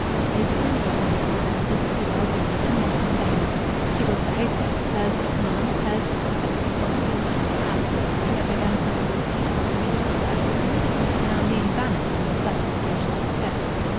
They depended on her for their physical well being, and not in vain. She was the hostess; hers to command; hers the complex responsibility of the house. She had begun supper with painful timidity, but the timidity had now nearly vanished in the flush of social success.